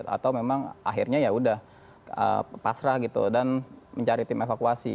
atau memang akhirnya yaudah pasrah gitu dan mencari tim evakuasi